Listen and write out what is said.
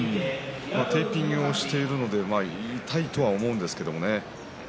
テーピングをしているので痛いとは思うんですがね